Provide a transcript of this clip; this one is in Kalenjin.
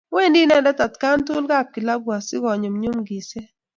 Wendi inendet atkaan tugul kapkilabu asi konyumnyum ng'iiseet.